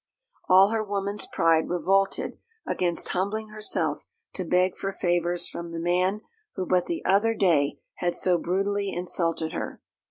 All her woman's pride revolted against humbling herself to beg for favours from the man who but the other day had so brutally insulted her.